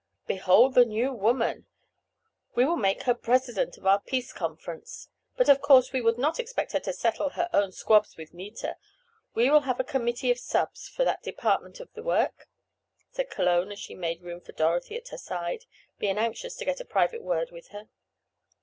"Behold the new woman! We will make her president of our peace conference. But of course we would not expect her to settle her own 'squabs' with Nita. We will have a committee of subs, for that department of the work," said Cologne as she made room for Dorothy at her side, being anxious to get a private word with her.